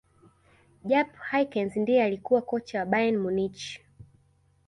jupp hyckens ndiye alikuwa kocha wa bayern munich